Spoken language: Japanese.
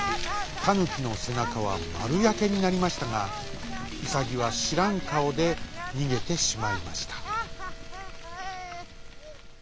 タヌキのせなかはまるやけになりましたがウサギはしらんかおでにげてしまいました。